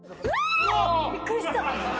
びっくりした。